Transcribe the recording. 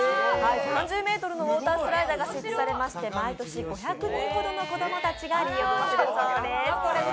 ３０ｍのウォータースライダーが設置されまして、毎年５００人ほどの子供たちが利用するようです。